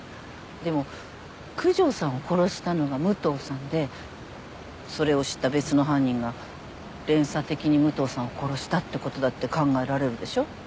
でも九条さんを殺したのが武藤さんでそれを知った別の犯人が連鎖的に武藤さんを殺したってことだって考えられるでしょ？